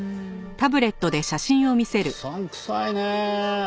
うさんくさいねえ。